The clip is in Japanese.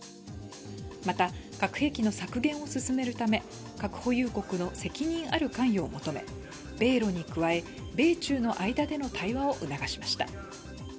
また、核兵器の削減を進めるため、核保有国の責任ある関与を求め米ロに加え、米中の間での対話を促しました。